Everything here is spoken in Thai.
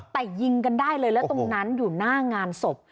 แต่ยิงกันได้เลยแล้วตรงนั้นอยู่หน้างานศพ